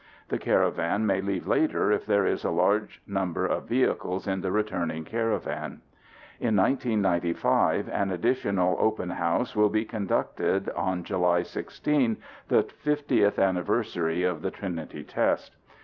The caravan may leave later if there is a large number of vehicles in the returning caravan. In 1995, an additional open house will be conducted on July 16, the 50th anniversary of the Trinity test.